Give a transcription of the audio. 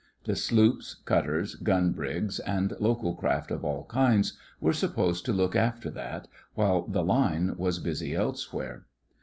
The sloops, cutters, gun brigs, and local craft of all kinds were supposed to look after that, while the Line was busy elsewhere.